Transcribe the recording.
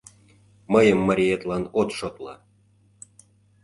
Мыйым мариетлан от шотло!